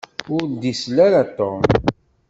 Ur d-isel ara Tom.